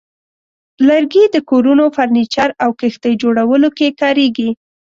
لرګي د کورونو، فرنیچر، او کښتۍ جوړولو کې کارېږي.